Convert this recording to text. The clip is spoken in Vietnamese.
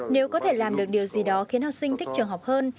nếu có thể làm được điều gì đó khiến học sinh thích trường học hơn